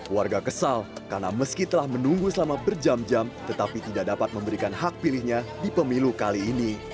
warga kesal karena meski telah menunggu selama berjam jam tetapi tidak dapat memberikan hak pilihnya di pemilu kali ini